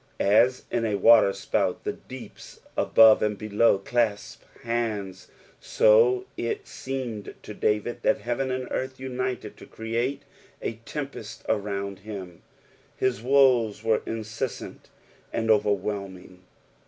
Aa in a waterspout, the deeps above and below clasp hands, so it seemed to Dsvid that heaven and earth united to create a tempest around him. His woes were incessant and overwhelming.